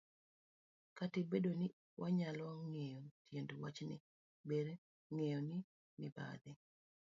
Kata obedo ni wanyalo ng'eyo tiend wachni, ber ng'eyo ni mibadhi